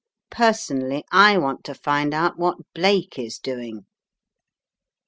Personally, I want to find out what Blake is doing.